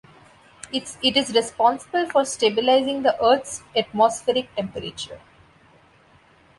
It is responsible for stabilizing the Earth's atmospheric temperature.